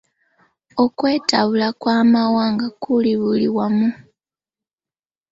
Okwetabula kw'amawanga kuli buli wamu.